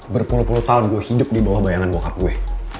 berpuluh puluh tahun gue hidup di bawah bayangan bokar gue